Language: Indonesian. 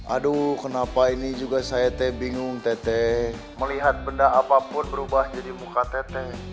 aduh kenapa ini juga saya teh bingung tete melihat benda apapun berubah jadi muka teteh